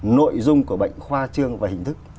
nội dung của bệnh khoa trương và hình thức